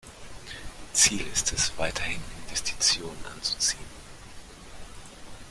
Ziel ist es, weiterhin Investitionen anzuziehen.